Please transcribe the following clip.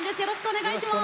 お願いします。